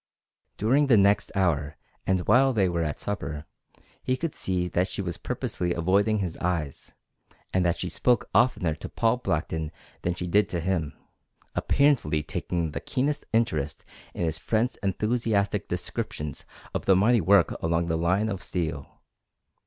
During the next hour, and while they were at supper, he could see that she was purposely avoiding his eyes, and that she spoke oftener to Paul Blackton than she did to him, apparently taking the keenest interest in his friend's enthusiastic descriptions of the mighty work along the line of steel.